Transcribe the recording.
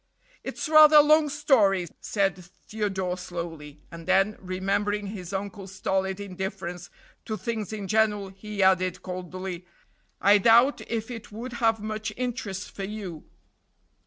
"It's rather a long story," said Theodore slowly; and then remembering his uncle's stolid indifference to things in general, he added coldly, "I doubt if it would have much interest for you."